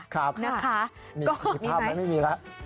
ครับค่ะมีภาพมันไม่มีแล้ว